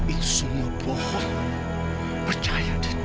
itu semua bohong percaya dina